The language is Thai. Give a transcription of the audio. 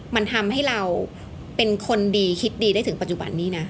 มันทำให้เราเป็นคนดีคิดดีได้ถึงปัจจุบันนี้นะ